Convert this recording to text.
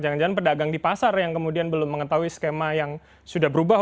jangan jangan pedagang di pasar yang kemudian belum mengetahui skema yang sudah berubah